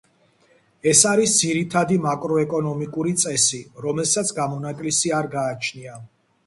ეს არის ძირითადი მაკროეკონომიკური წესი, რომელსაც გამონაკლისი არ გააჩნია.